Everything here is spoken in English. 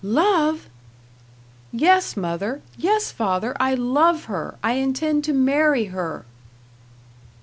"Love!" "Yes, mother! Yes, father! I love her. I intend to marry her."